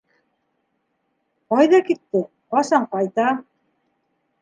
— Ҡайҙа китте, ҡасан ҡайта?